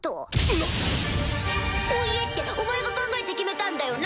な⁉そう言えってお前が考えて決めたんだよな？